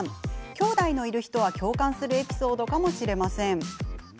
きょうだいのいる人は共感するエピソードかもしれません。